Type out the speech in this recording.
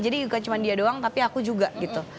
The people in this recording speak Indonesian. bukan cuma dia doang tapi aku juga gitu